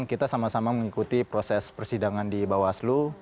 kita sama sama mengikuti proses persidangan di bawaslu